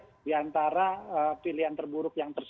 jadi saya rasa ini adalah pilihan terbaik di antara kumpulan yang terbaik